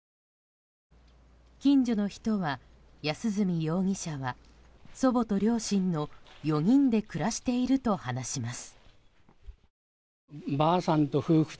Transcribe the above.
近所の人は、安栖容疑者は祖母と両親の４人で暮らしていると話します。